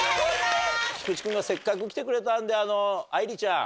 菊池君がせっかく来てくれたんであいりちゃん。